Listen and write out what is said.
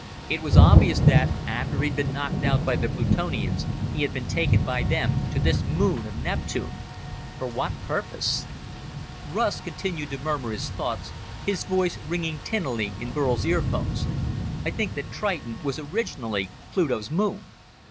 It was obvious that, after he'd been knocked out by the Plutonians, he had been taken by them to this moon of Neptune. For what purpose? Russ continued to murmur his thoughts, his voice ringing tinnily in Burl's earphones. "I think that Triton was originally Pluto's moon.